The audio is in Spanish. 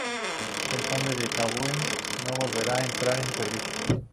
El "Conte di Cavour" no volvería a entrar en servicio.